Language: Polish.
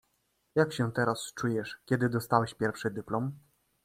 Jak się teraz czujesz, kiedy dostałeś pierwszy dyplom?